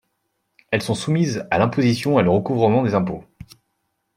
Elles sont soumises à l'imposition et le recouvrement des impôts.